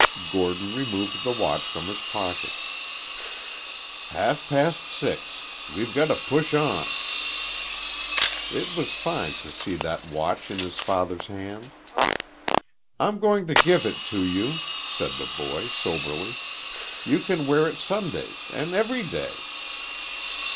Gordon removed the watch from his pocket. "Half past six. We've got to push on." It was fine to see that watch in his father's hand. "I'm going to give it to you," said the boy, soberly. "You can wear it Sundays an' every day."